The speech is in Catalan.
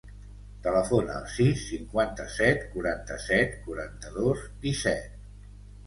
Telefona al sis, cinquanta-set, quaranta-set, quaranta-dos, disset.